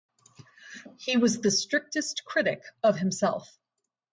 He was the strictest critic of himself.